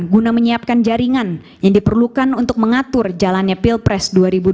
guna menyiapkan jaringan yang diperlukan untuk mengatur jalannya pilpres dua ribu dua puluh